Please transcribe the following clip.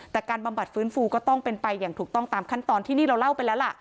แต่การบำบัดฟื้นฟูก็ต้องเป็นไปอย่างถูกต้องตามขั้นตอนที่นี่เราเล่าไปแล้วล่ะ